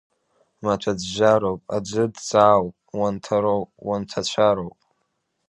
Маҭәаӡәӡәароуп аӡы дӡаауп, уанҭароуп, уанҭацәароуп.